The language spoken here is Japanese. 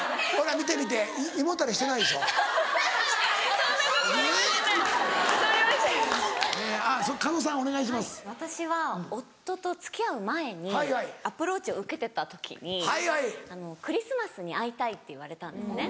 はい私は夫と付き合う前にアプローチを受けてた時にクリスマスに会いたいって言われたんですね。